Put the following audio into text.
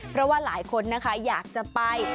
เพราะว่าหลายคนนะคะอยากจะไป